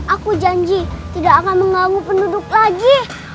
aku janji tidak akan mengganggu penduduk lagi